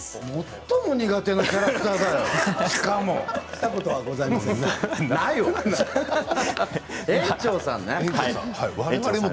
最も苦手なキャラクターだよ、しかも。